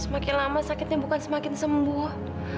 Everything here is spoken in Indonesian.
semakin lama sakitnya bukan semakin sembuh